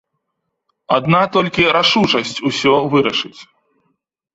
Адна толькі рашучасць усё вырашыць.